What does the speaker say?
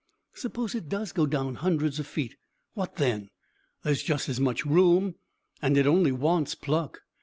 Suppose it does go down hundreds of feet, what then? There is just as much room, and it only wants pluck.